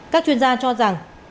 các chuyên gia cho rằng